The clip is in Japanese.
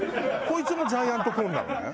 こいつもジャイアントコーンなのね。